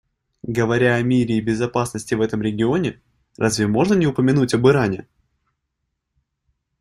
Говоря о мире и безопасности в этом регионе, разве можно не упомянуть об Иране?